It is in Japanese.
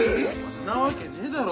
んなわけねえだろ。